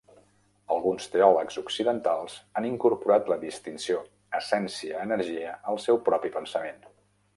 Alguns teòlegs occidentals han incorporat la distinció essència-energia al seu propi pensament.